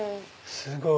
すごい！